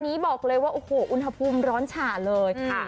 นี้บอกเลยว่าโอ้โหอุณหภูมิร้อนฉ่าเลยค่ะ